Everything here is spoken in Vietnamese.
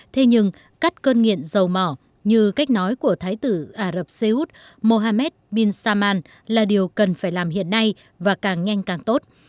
thế nhưng cắt cơn nghiện dầu mỏ như cách nói của thái tử ả rập xê út mohamed bin salman là điều cần phải làm hiện nay và càng nhanh càng tốt